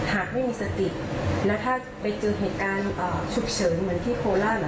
หากไม่มีสติแล้วถ้าไปเจอเหตุการณ์ฉุกเฉินเหมือนที่โคราช